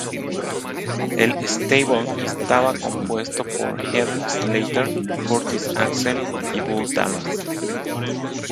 El stable estaba compuesto por Heath Slater, Curtis Axel y Bo Dallas.